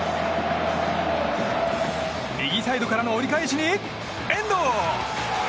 右サイドからの折り返しに遠藤！